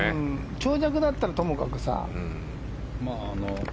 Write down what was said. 長尺だったらともかくさ。